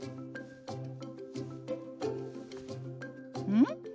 うん？